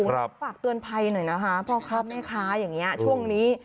ฝากเตือนภัยหน่อยนะคะเพราะข้าวแม่ค้าช่วงนี้